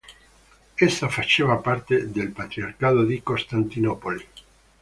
Essa faceva parte del patriarcato di Costantinopoli.